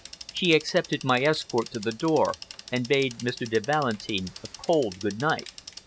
She accepted my escort to the door, and bade Mr. de Valentin a cold good night.